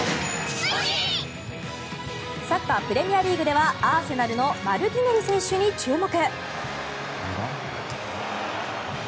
サッカープレミアリーグではアーセナルのマルティネリ選手に注目。